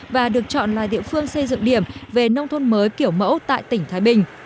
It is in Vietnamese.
và được chọn là địa phương xây dựng điểm về nông thôn mới kiểu mẫu tại tỉnh thái bình